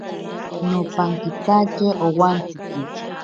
Nopankitatye owantsiki.